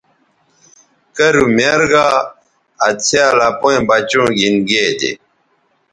کرُو میر گا آ څھیال اپئیں بچوں گھِن گے دے۔